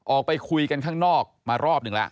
ออกไปคุยกันข้างนอกมารอบหนึ่งแล้ว